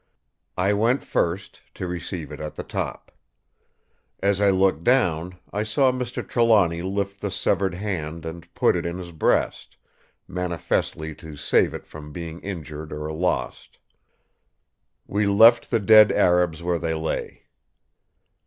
I went first, to receive it at the top. As I looked down, I saw Mr. Trelawny lift the severed hand and put it in his breast, manifestly to save it from being injured or lost. We left the dead Arabs where they lay.